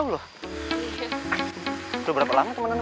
udah berapa lama temenin lo